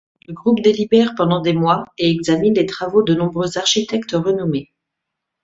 Le groupe délibère pendant des mois et examine les travaux de nombreux architectes renommés.